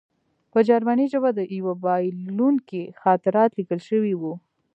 په جرمني ژبه د یوه بایلونکي خاطرات لیکل شوي وو